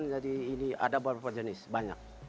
jadi ini ada berapa jenis banyak